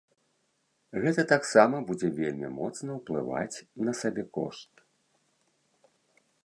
Гэта таксама будзе вельмі моцна ўплываць на сабекошт.